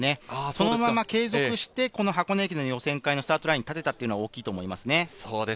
そのまま継続して箱根駅伝の予選会のスタートラインに立てたというの大きいと思いますね。